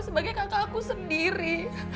sebagai kakakku sendiri